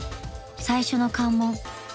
［最初の関門